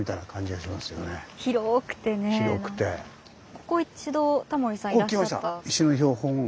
ここ一度タモリさんいらっしゃった。